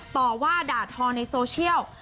ต่อว่าด่าทอในโซเชียล